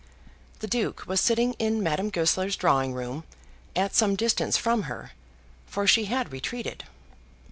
The Duke was sitting in Madame Goesler's drawing room, at some distance from her, for she had retreated.